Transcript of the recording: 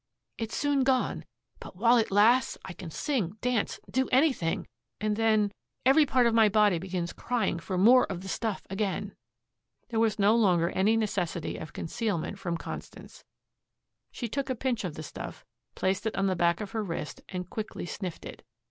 It's soon gone, but while it lasts, I can sing, dance, do anything and then every part of my body begins crying for more of the stuff again." There was no longer any necessity of concealment from Constance. She took a pinch of the stuff, placed it on the back of her wrist and quickly sniffed it.